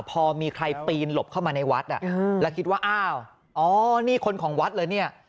พอมีใครปีนหลบเข้ามาในวัดแล้วคิดว่าอ้าวอ๋อนี่คนของวัดเหรอเนี่ย